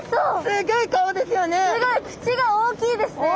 すごい口が大きいですね。